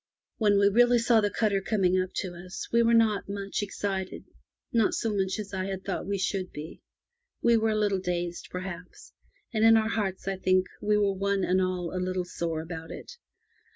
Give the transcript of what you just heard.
When we really saw the cutter coming up to us, we were not much excited — not so much as I had thought we should be. We were a little dazed, perhaps, and in our hearts I think we were one and all a little sore about it.